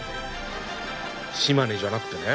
島根じゃなくてね？